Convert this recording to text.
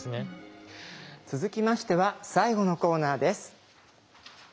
続きましては最後のコーナーです。